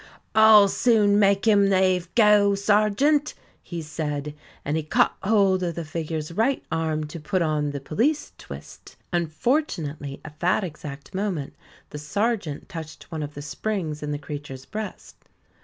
"I'll soon make him lave go, sergeant," he said, and he caught hold of the figure's right arm, to put on the "police twist". Unfortunately, at that exact moment the sergeant touched one of the springs in the creature's breast.